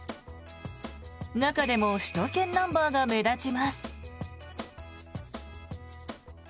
中でも首都圏ナンバーが目立ちます。